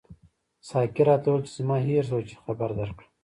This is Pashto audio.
ساقي راته وویل چې زما هېر شول چې خبر درکړم.